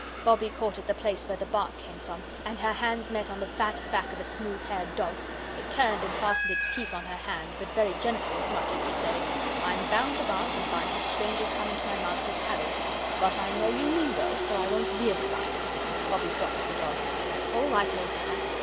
Bobbie caught at the place where the bark came from, and her hands met on the fat back of a smooth haired dog. It turned and fastened its teeth on her hand, but very gently, as much as to say: "I'm bound to bark and bite if strangers come into my master's cabin, but I know you mean well, so I won't REALLY bite." Bobbie dropped the dog. "All right, old man.